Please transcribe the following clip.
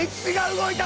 動いた！